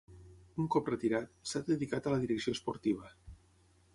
Un cop retirat, s'ha dedicat a la direcció esportiva.